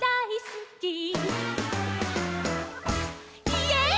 イエイ！